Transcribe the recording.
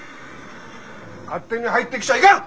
勝手に入ってきちゃいかん！